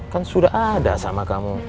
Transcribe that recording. kan sudah ada sama kamu